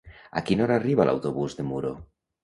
A quina hora arriba l'autobús de Muro?